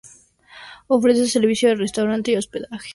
Ofrece servicio de restaurante y hospedaje.